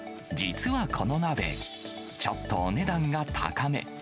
実はこの鍋、ちょっとお値段が高め。